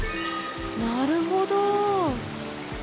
なるほど。